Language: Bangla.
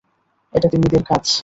এটা তিমিদের কাজ!